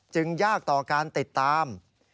ยากต่อการติดตาม